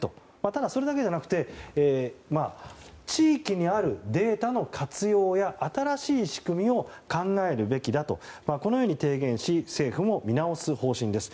ただ、それだけじゃなくて地域にあるデータの活用や新しい仕組みを考えるべきだとこのように提言し政府も見直す方針です。